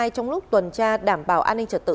trong lúc tuần tra đảm bảo an ninh trật tự